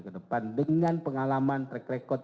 ke depan dengan pengalaman track record